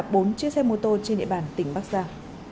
bốn chiếc xe mô tô trên địa bàn tỉnh bắc giang